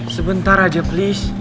sebentar aja please